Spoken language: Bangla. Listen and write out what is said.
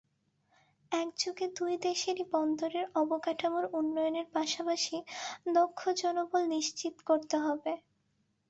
একযোগে দুই দেশেরই বন্দরের অবকাঠামোর উন্নয়নের পাশাপাশি দক্ষ জনবল নিশ্চিত করতে হবে।